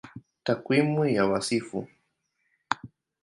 Takwimu ya Wasifu